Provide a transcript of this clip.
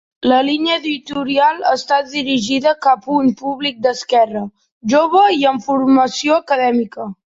La línia editorial està dirigida cap a un públic d'esquerra, jove i amb formació acadèmica.